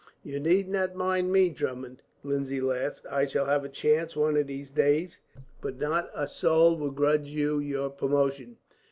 "You need not mind me, Drummond," Lindsay laughed. "I shall have a chance, one of these days; but not a soul will grudge you your promotion.